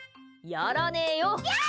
やらねえよ！